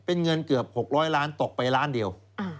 เป็นเงินเกือบ๖๐๐ล้านตกไปล้านเดียว